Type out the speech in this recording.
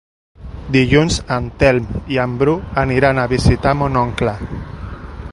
Dilluns en Telm i en Bru aniran a visitar mon oncle.